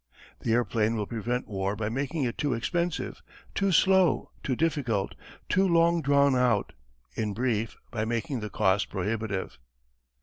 "The airplane will prevent war by making it too expensive, too slow, too difficult, too long drawn out in brief, by making the cost prohibitive.